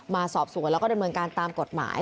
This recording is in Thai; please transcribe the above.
มาสอบสวนแล้วก็ดำเนินการตามกฎหมาย